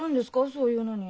そういうのに。